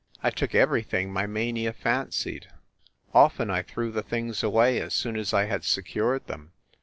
I took everything my mania fancied. Often I threw the things away as soon as I had secured them.